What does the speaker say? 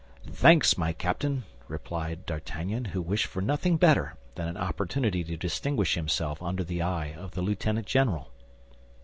"Thanks, my captain!" replied D'Artagnan, who wished for nothing better than an opportunity to distinguish himself under the eye of the lieutenant general.